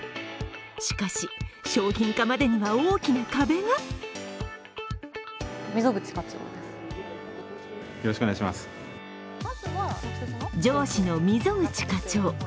しかし、商品化までには大きな壁が上司の溝口課長。